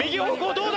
どうだ？